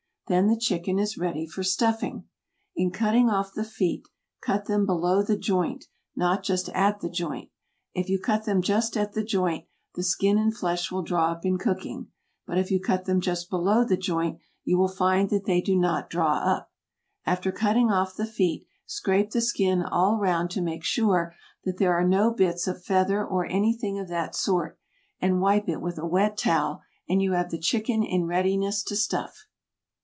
Then the chicken is ready for stuffing. In cutting off the feet cut them below the joint, not just at the joint. If you cut them just at the joint the skin and flesh will draw up in cooking. But if you cut them just below the joint you will find that they do not draw up. After cutting off the feet scrape the skin all round to make sure that there are no bits of feather or anything of that sort, and wipe it with a wet towel and you have the chicken in readiness to stuff.